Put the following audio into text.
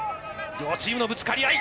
両チームのぶつかり合い。